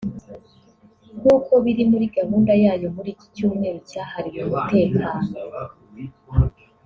nk’uko biri muri gahunda yayo muri iki cyumweru cyahariwe mutekano